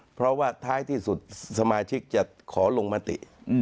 เพราะว่าท้ายที่สุดสมาชิกจะขอลงมติ